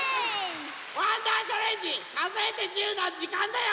わんだーチャレンジかぞえて１０のじかんだよ！